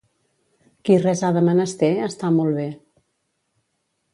Qui res ha de menester, està molt bé.